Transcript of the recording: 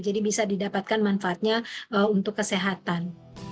jadi bisa didapatkan manfaatnya untuk kesehatan